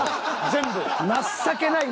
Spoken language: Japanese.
全部？